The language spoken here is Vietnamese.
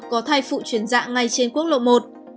trường hợp có thay phụ chuyển dạng ngay trên quốc lộ một